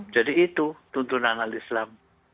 jadi itu tuntunan al islam